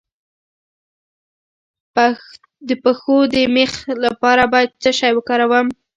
د پښو د میخ لپاره باید څه شی وکاروم؟